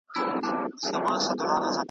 پر زړو خوړو شخوندونه یې وهله .